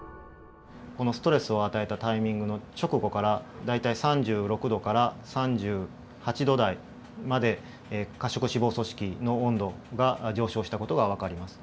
このストレスを与えたタイミングの直後から大体３６度から３８度台まで褐色脂肪組織の温度が上昇した事がわかります。